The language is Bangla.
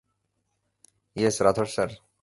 Yes Rathore sir?